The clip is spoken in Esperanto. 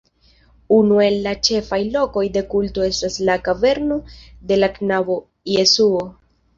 Unu el la ĉefaj lokoj de kulto estas la "kaverno de la knabo Jesuo".